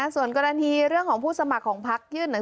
ส่วนกรณีเรื่องของผู้สมัครของพักยื่นหนังสือ